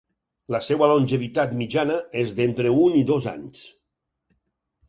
La seva longevitat mitjana és d'entre un i dos anys.